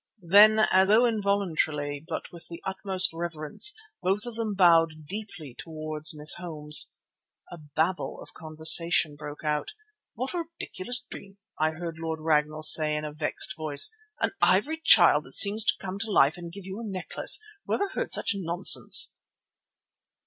Then as though involuntarily, but with the utmost reverence, both of them bowed deeply towards Miss Holmes. A babel of conversation broke out. "What a ridiculous dream," I heard Lord Ragnall say in a vexed voice. "An ivory child that seemed to come to life and to give you a necklace. Whoever heard such nonsense?"